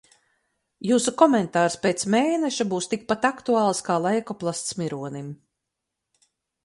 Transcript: Jūsu komentārs pēc mēneša būs tikpat aktuāls kā leikoplasts mironim.